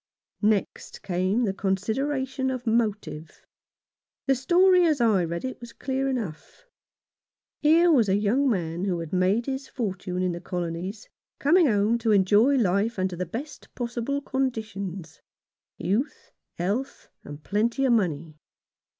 Next came the consideration of motive. The story as I read it was clear enough. Here was a young man who had made his fortune in the Colonies coming home to enjoy life under the best possible conditions — youth, health, and plenty of money.